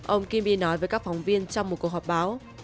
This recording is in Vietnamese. ông kimby nói với các phóng viên trong một cuộc họp báo